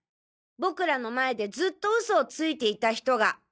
僕らの前でずっと嘘をついていた人が。